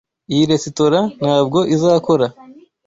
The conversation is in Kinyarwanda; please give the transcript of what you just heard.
Iyi resitora ntabwo izakora.